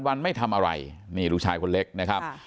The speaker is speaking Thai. วันไม่ทำอะไรนี่ลูกชายคนเล็กนะครับ